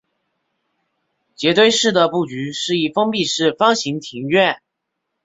杰堆寺的布局是一封闭式方形庭院。